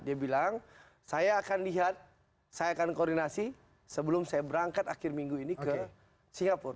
dia bilang saya akan lihat saya akan koordinasi sebelum saya berangkat akhir minggu ini ke singapura